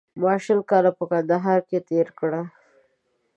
ما شل کاله په کندهار کې تېر کړل